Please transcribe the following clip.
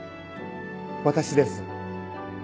私です。